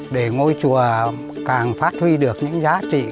để ngôi chùa càng phát huy được những giá trị